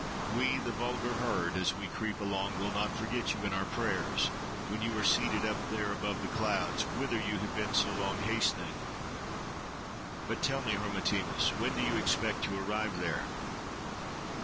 we, 'the vulgar herd,' as we creep along, will not forget you in our prayers, when you are seated up there above the clouds, whither you have been so long hastening. But tell me, Hermotimus!—when do you expect to arrive there?